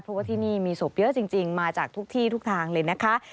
เพราะว่าที่นี่มีศพเยอะจริงมาจากทุกที่ทุกทางเลยนะคะ